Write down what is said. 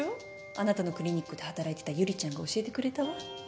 あなたのクリニックで働いてたユリちゃんが教えてくれたわ